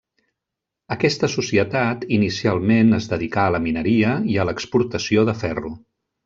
Aquesta societat inicialment es dedicà a la mineria i a l'exportació de ferro.